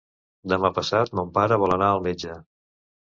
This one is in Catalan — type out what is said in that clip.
Demà passat mon pare vol anar al metge.